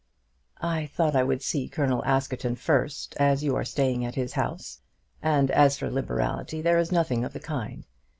"I thought I would see Colonel Askerton first, as you are staying at his house. And as for liberality, there is nothing of the kind.